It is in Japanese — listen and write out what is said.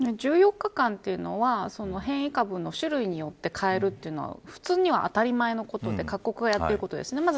１４日間というのは変異株の種類によって変えるというのは普通には当たり前のことで各国でやってることですね。